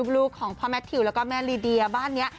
ลูกของพ่อแมททิวแล้วก็แม่ลีเดียบ้านนี้